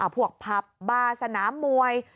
พวกผับบาร์สนามมวย